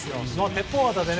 鉄砲肩で。